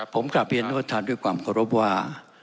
ผมกลับเบียนกับท่านด้วยความขอรับว่า